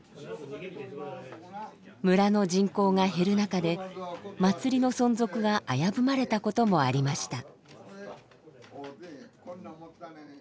村の人口が減る中で祭りの存続が危ぶまれたこともありました。